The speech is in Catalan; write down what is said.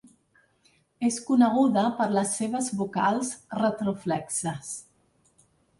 És coneguda per les seves vocals retroflexes.